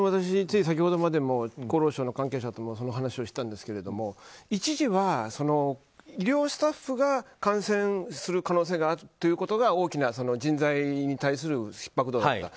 先ほどまで私厚労省の関係者とこの話をしたんですが一時は、医療スタッフが感染する可能性があるということが大きな人材に対するひっ迫度だった。